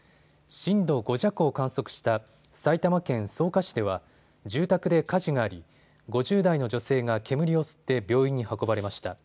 震度５弱を観測した埼玉県草加市では住宅で火事があり５０代の女性が煙を吸って病院に運ばれました。